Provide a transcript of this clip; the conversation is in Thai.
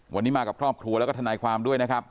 วันนี้มากับครอบครัวแล้วก็ทนายความด้วยนะครับ